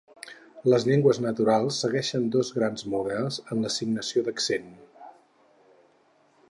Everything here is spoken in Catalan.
Les llengües naturals segueixen dos grans models en l'assignació d'accent.